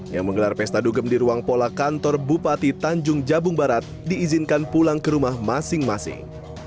yang menggelar pesta dugem di ruang pola kantor bupati tanjung jabung barat diizinkan pulang ke rumah masing masing